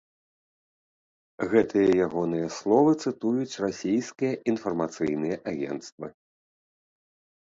Гэтыя ягоныя словы цытуюць расійскія інфармацыйныя агенцтвы.